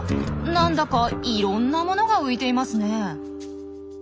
なんだかいろんなものが浮いていますね。